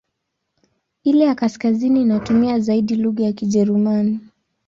Ile ya kaskazini inatumia zaidi lugha ya Kijerumani.